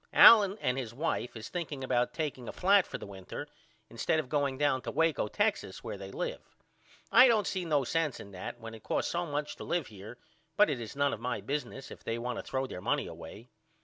Allen and his wife is thinking about takeing a flat for the winter instead of going down to Waco Texas where they live. I don't see no sense in that when it costs so much to live here but it is none of my business if they want to throw their money away.